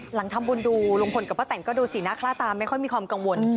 หลังทำบุญดูลุงพลกับป้าแต่นก็ดูสีหน้าค่าตาไม่ค่อยมีความกังวล